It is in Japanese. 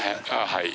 はい。